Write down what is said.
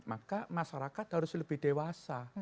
maka masyarakat harus lebih dewasa